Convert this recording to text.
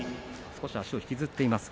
少し足を引きずっています